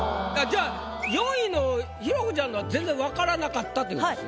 じゃあ４位の寛子ちゃんのは全然わからなかったということですよね。